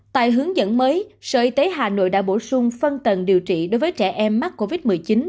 tại hướng dẫn mới sở y tế hà nội đã bổ sung phân tầng điều trị đối với trẻ em mắc covid một mươi chín